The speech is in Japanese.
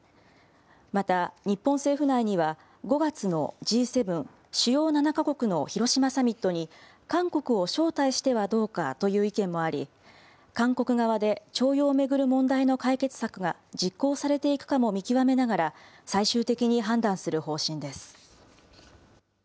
また、日本政府内には、５月のＧ７・主要７か国の広島サミットに、韓国を招待してはどうかという意見もあり、韓国側で徴用を巡る問題の解決策が実行されていくかも見極めながら、最終的に判断する方針です。